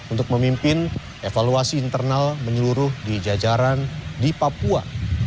untuk memimpin evaluasi internal menyeluruh di jajaran di papua